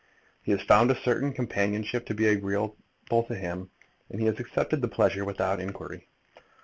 He has found a certain companionship to be agreeable to him, and he has accepted the pleasure without inquiry.